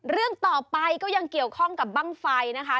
เรื่องต่อไปก็ยังเกี่ยวข้องกับบ้างไฟนะคะ